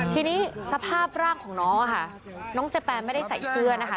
ทีนี้สภาพร่างของน้องค่ะน้องเจแปนไม่ได้ใส่เสื้อนะคะ